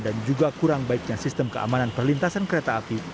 dan juga kurang baiknya sistem keamanan perlintasan kereta api